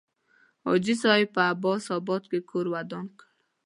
حاجي صاحب په عباس آباد کې کور ودان کړ.